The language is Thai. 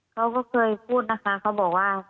เขาก็เคยพูดนะคะเขาบอกว่า